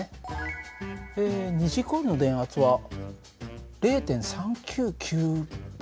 二次コイルの電圧は０．３９９Ｖ。